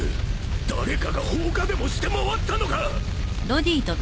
誰かが放火でもして回ったのか！？